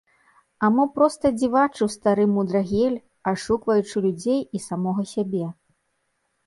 А мо проста дзівачыў стары мудрагель, ашукваючы людзей і самога сябе?